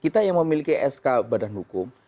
kita yang memiliki sk badan hukum